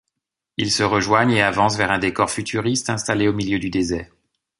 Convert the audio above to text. Ils se rejoignent et avancent vers un décor futuriste installé au milieu du désert.